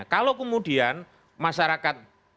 kalau kemudian masyarakat